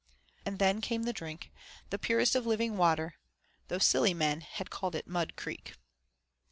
And then came the drink, the purest of living water, though silly men had called it Mud Creek.